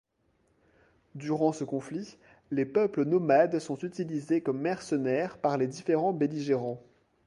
Durant ce conflit, les peuples nomades sont utilisés comme mercenaires par les différents belligérants.